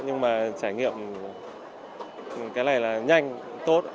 nhưng mà trải nghiệm cái này là nhanh tốt